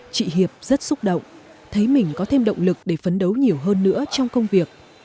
chị hiệp rất xúc động thấy mình có thêm động lực để phấn đấu nhiều hơn nữa trong công việc